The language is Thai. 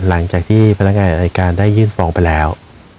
หลังจากที่พนักงานอายการได้ยื่นฟ้องไปแล้ว